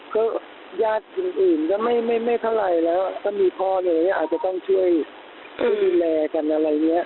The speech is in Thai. ก็ญาติอื่นก็ไม่เท่าไหร่แล้วก็มีพ่อเนี่ยอาจจะต้องช่วยดูแลกันอะไรเนี่ย